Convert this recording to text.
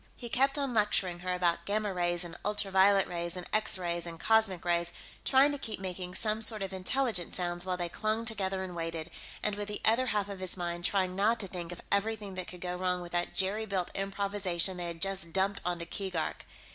He kept on lecturing her about gamma rays and ultra violet rays and X rays and cosmic rays, trying to keep making some sort of intelligent sounds while they clung together and waited, and, with the other half of his mind, trying not to think of everything that could go wrong with that jerry built improvisation they had just dumped onto Keegark.